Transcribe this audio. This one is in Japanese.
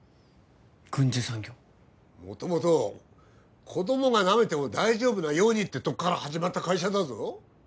軍需産業元々子供がなめても大丈夫なようにってとこから始まった会社だぞ？